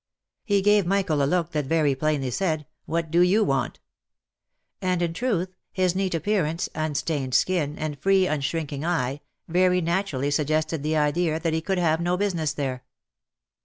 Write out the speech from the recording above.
He gave Michael a look, that very plainly said, " What do you want V x 2 308 THE LIFE AND ADVENTURES and in truth, his neat appearance, unstained skin, and free unshrink ing eye, very naturally suggested the idea that he could have no busi ness there.